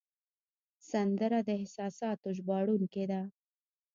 سندره د احساساتو ژباړونکی ده